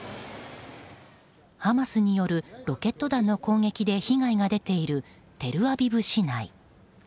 ハマスによるロケット弾の攻撃で被害が出ているテルアビブ市内。